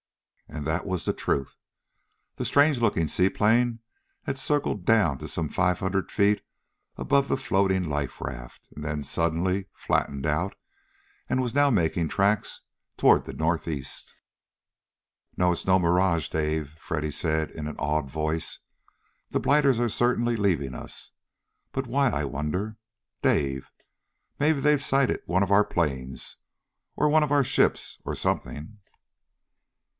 _" And that was the truth! The strange looking seaplane had circled down to some five hundred feet above the floating life raft, and then suddenly flattened out and was now making tracks toward the northeast. "No, it's no mirage, Dave," Freddy said in an awed voice. "The blighters are certainly leaving us. But why, I wonder? Dave! Maybe they've sighted one of our planes, or one of our ships, or something!"